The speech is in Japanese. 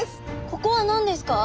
ここは何ですか？